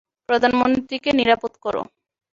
প্রধানমন্ত্রীকে নিরাপদ করো।